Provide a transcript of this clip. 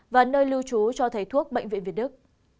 và nơi lưu trú cho thầy thuốc bệnh viện việt đức